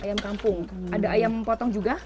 ayam kampung ada ayam potong juga